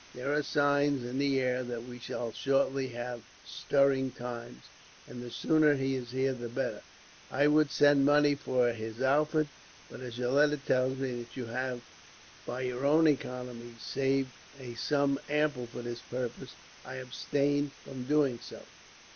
There are signs in the air that we shall shortly have stirring times, and the sooner he is here the better. I would send money for his outfit; but as your letter tells me that you have, by your economies, saved a sum ample for this purpose, I abstain from doing so.